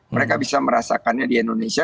mereka bisa merasakannya di indonesia